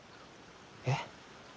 えっ？